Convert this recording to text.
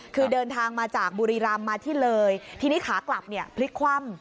คือเดินทางมาจากบุรีรำมาที่เลยทีนี้ขากลับเนี่ยพลิกคว่ำ